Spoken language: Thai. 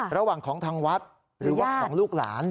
ระหว่างของทางวัดหรือว่าของลูกหลาน